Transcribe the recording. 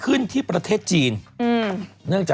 คุณหมอโดนกระช่าคุณหมอโดนกระช่า